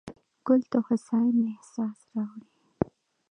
ګل د هوساینې احساس راوړي.